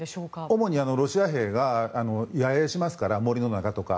主にロシア兵が野営しますから森の中とか。